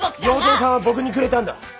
要造さんは僕にくれたんだ！